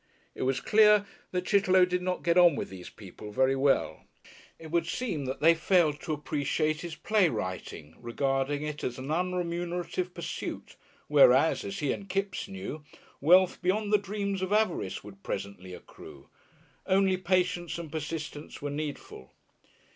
It was clear that Chitterlow did not get on with these people very well. It would seem they failed to appreciate his playwright, regarding it as an unremunerative pursuit, whereas as he and Kipps knew, wealth beyond the dreams of avarice would presently accrue. Only patience and persistence were needful.